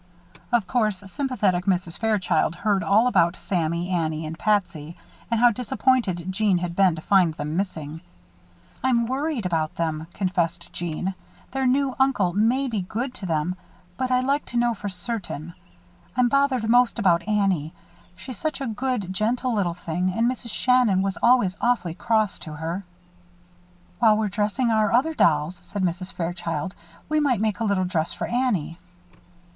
Of course sympathetic Mrs. Fairchild heard all about Sammy, Annie, and Patsy, and how disappointed Jeanne had been to find them missing. "I'm worried about them," confessed Jeanne. "Their new uncle may be good to them, but I'd like to know for certain. I'm bothered most about Annie. She's such a good, gentle little thing and Mrs. Shannon was always awfully cross to her." "While we're dressing our other dolls," said Mrs. Fairchild, "we might make a little dress for Annie."